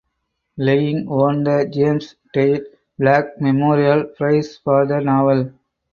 Laing won the James Tait Black Memorial Prize for the novel.